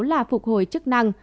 là phục hồi chức năng